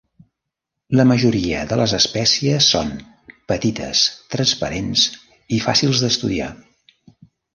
La majoria de les espècies són petites, transparents i fàcils d'estudiar.